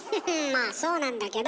まあそうなんだけど。